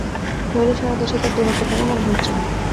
নইলে সারা দেশে তাঁদের দৌরাত্ম্য কেন বন্ধ হচ্ছে না?